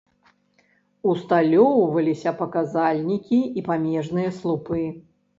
Усталёўваліся паказальнікі і памежныя слупы.